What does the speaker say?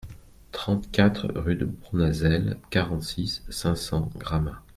trente-quatre rue de Bournazel, quarante-six, cinq cents, Gramat